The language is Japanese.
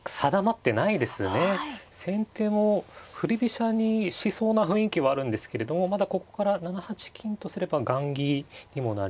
先手も振り飛車にしそうな雰囲気はあるんですけれどもまだここから７八金とすれば雁木にもなります。